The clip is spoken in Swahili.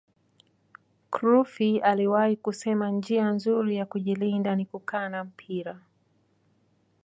crufy aliwahi kusema njia nzuri ya kujilinda ni kukaa na mpira